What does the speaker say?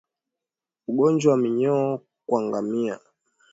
Ugonjwa wa minyoo kwa ngamia